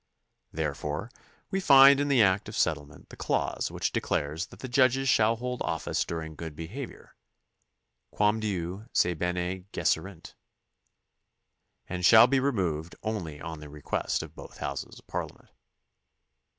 Therefore we find in the act of settlement the clause which declares that the judges shall hold office during good behavior — "quamdiu se bene gesserint" — and shall be remov able only on the request of both houses of Parliament.